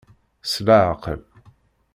S laɛqel.